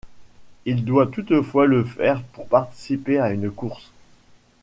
Il doit toutefois le faire pour participer à une course.